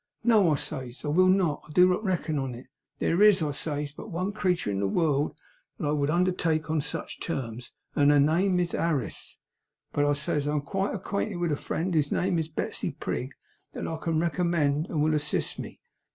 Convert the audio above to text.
"No," I says, "I will not. Do not reckon on it. There is," I says, "but one creetur in the world as I would undertake on sech terms, and her name is Harris. But," I says, "I am acquainted with a friend, whose name is Betsey Prig, that I can recommend, and will assist me.